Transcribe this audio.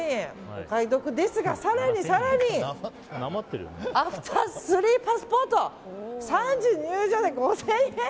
お買い得ですが、更に更にアフター３パスポート３時入場で５０００円。